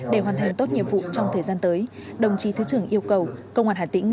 để hoàn thành tốt nhiệm vụ trong thời gian tới đồng chí thứ trưởng yêu cầu công an hà tĩnh